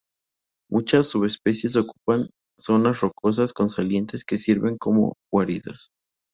Muchas subespecies ocupan zonas rocosas con salientes que sirven como guaridas.